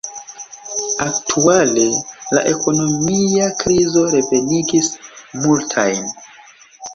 Aktuale, la ekonomia krizo revenigis multajn.